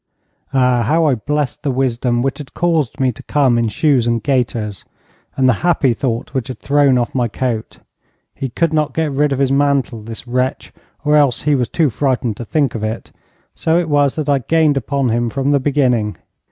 Ah, how I blessed the wisdom which had caused me to come in shoes and gaiters! And the happy thought which had thrown off my coat. He could not get rid of his mantle, this wretch, or else he was too frightened to think of it. So it was that I gained upon him from the beginning.